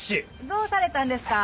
どうされたんですか？